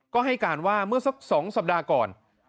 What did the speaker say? ก็ให้การว่าเมื่อสัก๒สัปดาห์ก่อน